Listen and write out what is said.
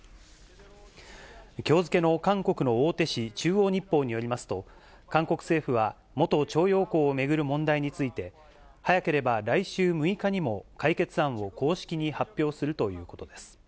きょう付けの韓国の大手紙、中央日報によりますと、韓国政府は元徴用工を巡る問題について、早ければ来週６日にも解決案を公式に発表するということです。